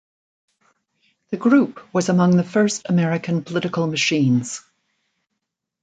The group was among the first American political machines.